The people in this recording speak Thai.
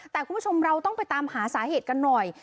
แต่คุณผู้ชมเราต้องไปตามหาสาเหตุกันหน่อย